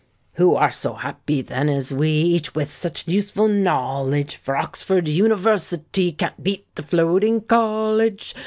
Who are so happy then as we— Each with such useful knowledge? For Oxford University Can't beat the Floating College.